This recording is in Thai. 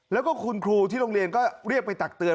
แล้วก็คุณครูที่โรงเรียนก็เรียกไปตักเตือน